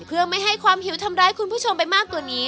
เพื่อไม่ให้ความหิวทำร้ายคุณผู้ชมไปมากกว่านี้